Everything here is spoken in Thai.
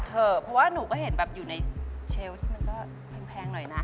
เถอะเพราะว่าหนูก็เห็นแบบอยู่ในเชลล์ที่มันก็แพงหน่อยนะ